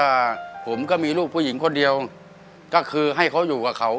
ผมก็มีลูกผู้หญิงคนเดียวก็คือให้เขาอยู่กับเขา